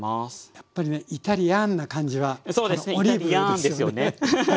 やっぱりねイタリアーンな感じはこのオリーブですよね。